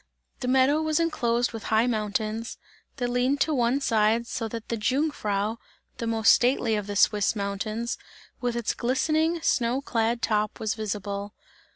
The meadow was enclosed with high mountains, that leaned to one side so that the Jungfrau, the most stately of the Swiss mountains, with its glistening snow clad top, was visible.